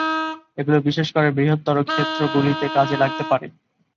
এগুলো বিশেষ করে বৃহত্তর ক্ষেত্রগুলিতে কাজে লাগতে পারে।